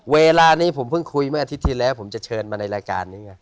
เวลานี้ผมเพิ่งคุยเมื่ออาทิตย์ที่แล้วผมจะเชิญมาในรายการนี้ไง